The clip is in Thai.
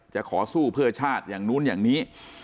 จะขอสู้เพื่อชาติอย่างนู้นอย่างนี้